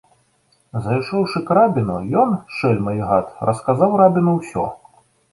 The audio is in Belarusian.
Зайшоўшы к рабіну, ён, шэльма і гад, расказаў рабіну ўсё.